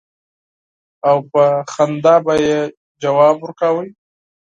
او په مُسکا به يې ځواب ورکاوه.